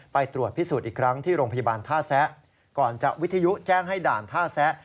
ไปตรวจพิสูจน์อีกครั้งที่โรงพยาบาลท่าแซะก่อนจะวิทยุแจ้งให้ด่านท่าแซะ